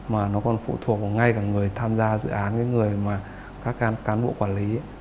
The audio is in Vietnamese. mà nó còn phụ thuộc vào ngay cả người tham gia dự án cái người mà các cán bộ quản lý